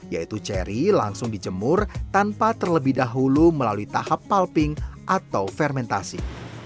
yaitu cherry langsung dijemur tanpa terlebih dahulu melalui tahap pulping atau fermentasi